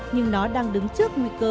nhưng nó đang đứng trước nguy cơ